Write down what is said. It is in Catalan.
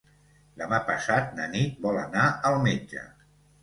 Demà passat na Nit vol anar al metge.